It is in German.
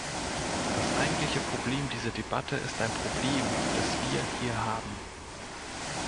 Das eigentliche Problem dieser Debatte ist ein Problem, das wir hier haben.